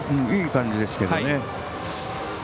いい感じですけどね。